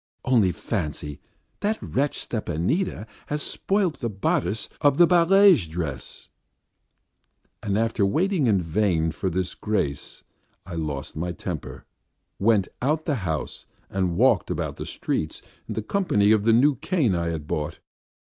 "Only fancy that wretch Stepanida has spoilt the bodice of the barège dress!" And after waiting in vain for this grace, I lost my temper, went out of the house and walked about the streets in the company of the new cane I had bought.